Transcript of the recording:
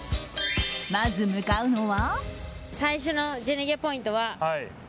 まず向かうのは。